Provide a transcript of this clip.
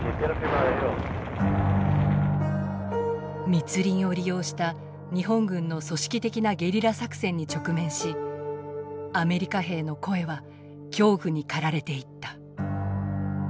密林を利用した日本軍の組織的なゲリラ作戦に直面しアメリカ兵の声は恐怖に駆られていった。